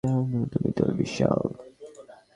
তুমি তো বিশাল।